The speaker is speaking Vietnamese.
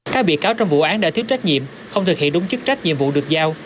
các bị cáo trong vụ án đã thiếu trách nhiệm không thực hiện đúng chức trách nhiệm vụ được giao